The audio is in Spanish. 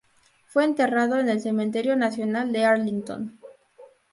Fue enterrado en el Cementerio Nacional de Arlington.